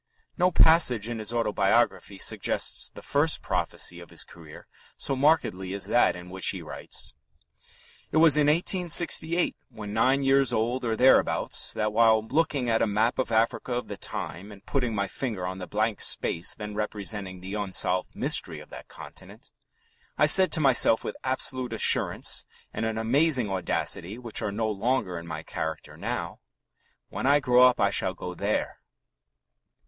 No passage in his autobiography suggests the first prophecy of his career so markedly as that in which he writes: "It was in 1868, when nine years old or thereabouts, that while looking at a map of Africa of the time and putting my finger on the blank space then representing the unsolved mystery of that continent, I said to myself with absolute assurance and an amazing audacity which are no longer in my character now: 'When I grow up I shall go there.'"